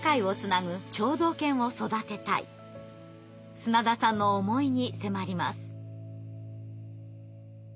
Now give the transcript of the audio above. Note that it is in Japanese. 砂田さんの思いに迫ります。